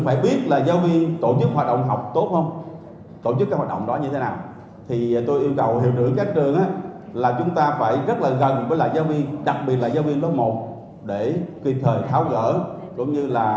đặc biệt là giáo viên lớp một để kịp thời tháo gỡ cũng như là hỗ trợ giáo viên